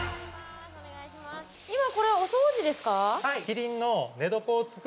今これお掃除ですか？